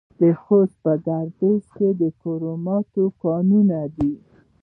د خوست په ګربز کې د کرومایټ کانونه دي.